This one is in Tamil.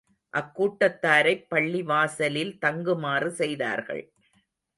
அக்கூட்டத்தாரைப் பள்ளி வாசலில் தங்குமாறு செய்தார்கள்.